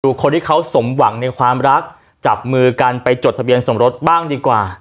คนที่เขาสมหวังในความรักจับมือกันไปจดทะเบียนสมรสบ้างดีกว่า